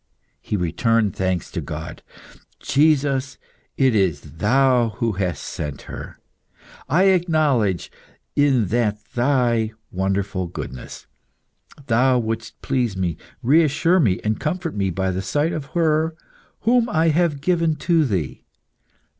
He returned thanks to God "Jesus! it is Thou who hast sent her. I acknowledge in that Thy wonderful goodness; Thou wouldst please me, reassure me and comfort me by the sight of her whom I have given to Thee.